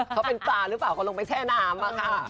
เขาเป็นปลาหรือเปล่าก็ลงไปแช่น้ำอะค่ะ